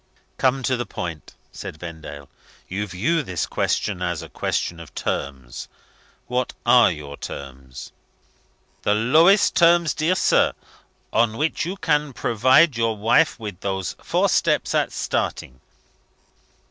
"Come to the point," said Vendale. "You view this question as a question of terms. What are your terms?" "The lowest terms, dear sir, on which you can provide your wife with those four steps at starting.